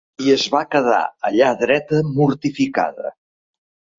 I es va quedar allà dreta mortificada.